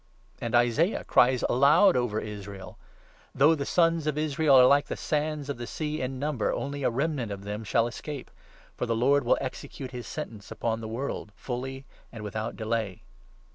And Isaiah cries aloud over Israel — 27 ' Though the Sons of Israel are like the sand of tne sea in number, only a remnant of them shall escape ! For the Lord 28 will execute his sentence upon the world, fully and without delay.'